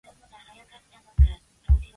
They have three daughters and one son.